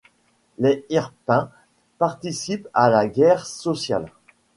Les Hirpins participent à la guerre sociale.